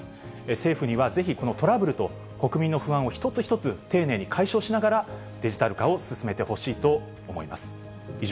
政府にはぜひこのトラブルと国民の不安を一つ一つ丁寧に解消しながら、デジタル化を進めてほしいと思います。